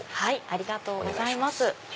ありがとうございます。